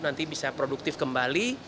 nanti bisa produktif kembali